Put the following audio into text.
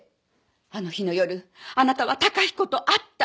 あの日の夜あなたは崇彦と会った。